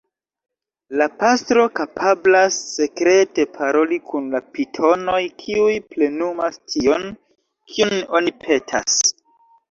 La pastro kapablas sekrete paroli kun la pitonoj kiuj plenumas tion, kion oni petas.